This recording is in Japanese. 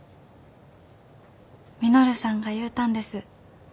稔さんが言うたんです。